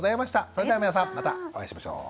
それでは皆さんまたお会いしましょう。